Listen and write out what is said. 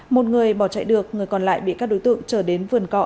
một người bỏ chạy được người còn lại bị các đối tượng chờ đến vườn cọ